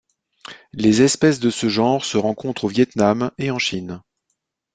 Les espèces de ce genre se rencontrent au Viêt Nam et en Chine.